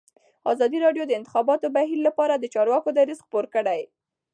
ازادي راډیو د د انتخاباتو بهیر لپاره د چارواکو دریځ خپور کړی.